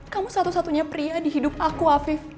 kamu satu satunya pria di hidup aku afif